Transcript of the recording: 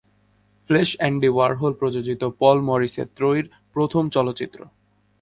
Flash Andy Warhol প্রযোজিত Paul মরিসে ত্রয়ীর প্রথম চলচ্চিত্র।